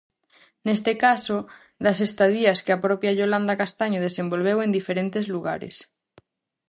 Neste caso, das estadías que a propia Yolanda Castaño desenvolveu en diferentes lugares.